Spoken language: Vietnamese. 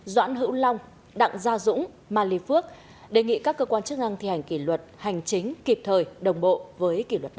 doãn hữu long đặng gia dũng ma ly phước đề nghị các cơ quan chức năng thi hành kỷ luật hành chính kịp thời đồng bộ với kỷ luật tám